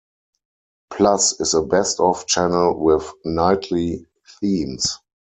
Plus is a "best of" channel with nightly themes.